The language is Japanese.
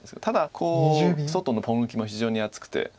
ただ外のポン抜きも非常に厚くて。